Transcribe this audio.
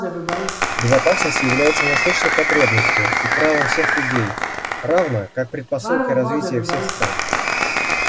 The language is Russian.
Безопасность является насущной потребностью и правом всех людей, равно как предпосылкой развития всех стран.